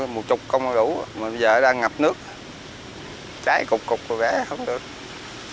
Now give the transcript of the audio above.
mà bây giờ đang ngập nước trái cục cục vẻ không được